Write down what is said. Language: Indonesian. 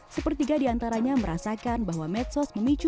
sepertiga diantaranya merasakan bahwa medsos memicu